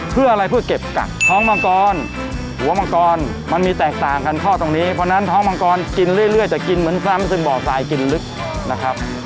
เพื่ออะไรเพื่อเก็บกักท้องมังกรหัวมังกรมันมีแตกต่างกันข้อตรงนี้เพราะฉะนั้นท้องมังกรกินเรื่อยจะกินเหมือนซ้ำจนบ่อทรายกินลึกนะครับ